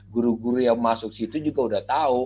guru guru yang masuk situ juga udah tahu